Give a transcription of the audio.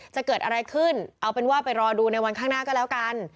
จะเกิดอะไรขึ้นเอาเป็นว่าไปรอดูในวันข้างหน้าก็แล้วกัน